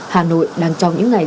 hà nội đang trong những ngày